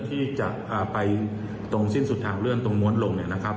ที่จะไปตรงสิ้นสุดทางเลื่อนตรงม้วนลง